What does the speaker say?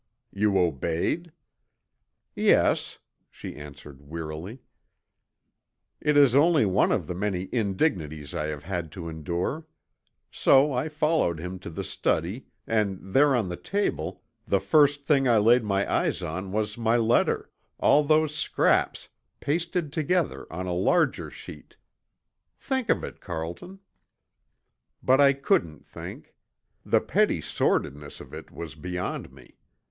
"You obeyed?" "Yes," she answered wearily. "It is only one of the many indignities I have had to endure. So I followed him to the study and there on the table the first thing I laid my eyes on was my letter all those scraps pasted together on a larger sheet. Think of it, Carlton!" But I couldn't think. The petty sordidness of it was beyond me.